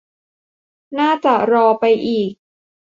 น่าจะรอไปอีก